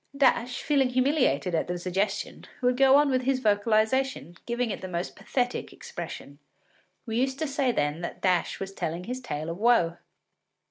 ” Dash, feeling humiliated at the suggestion, would go on with his vocalisation, giving it the most pathetic expression. We used to say then that Dash was telling his tale of woe.